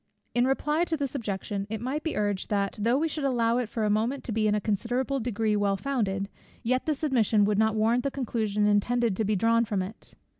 In reply to this objection it might be urged, that though we should allow it for a moment to be in a considerable degree well founded, yet this admission would not warrant the conclusion intended to be drawn from it.